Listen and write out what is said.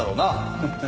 フフ。